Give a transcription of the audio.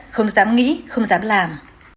không dám nghĩ không dám làm